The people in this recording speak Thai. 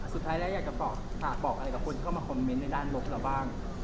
สุดท้ายแล้วอยากจะฝากบอกอะไรกับคนเข้ามาคอมเมนต์ในด้านลบเราบ้าง